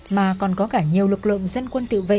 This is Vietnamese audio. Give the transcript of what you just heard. mà còn có cả nhiều lực lượng dân quân tự vệ